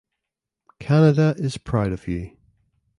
Canada is proud of you.